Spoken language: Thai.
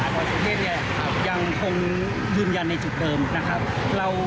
ร้อยสุเทพเนี่ยยังคงยืนยันในจุดเดิมนะครับ